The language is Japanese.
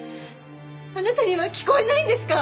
あなたには聞こえないんですか？